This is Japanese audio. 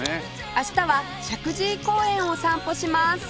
明日は石神井公園を散歩します